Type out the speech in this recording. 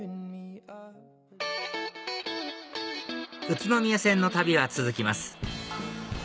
宇都宮線の旅は続きます